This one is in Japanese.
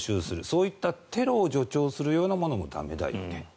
そういったテロを助長するようなものも駄目だよねと。